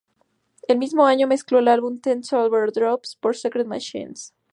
El mismo año, mezcló el álbum Ten Silver Drops por Secret Machines.